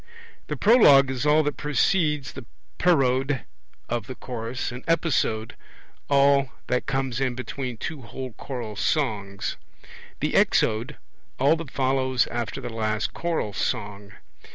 The Prologue is all that precedes the Parode of the chorus; an Episode all that comes in between two whole choral songs; the Exode all that follows after the last choral song.